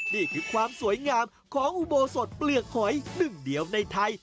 นี่คือความสวยงามของอุโบสถเปลือกหอยหนึ่งเดียวในไทย